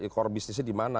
core bisnisnya di mana